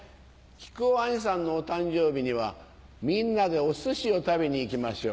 木久扇兄さんのお誕生日にはみんなでおすしを食べに行きましょう。